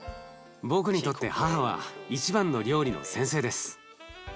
僕にとって母は一番の料理の先生です。